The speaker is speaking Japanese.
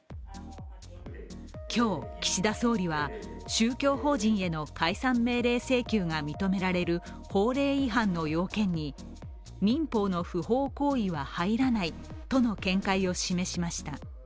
今日、岸田総理は宗教法人への解散命令請求が認められる法令違反の要件に、民法の不法行為は入らないとの見解を示しました。